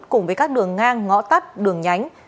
cùng với các đường ngang ngõ tắt đường nhánh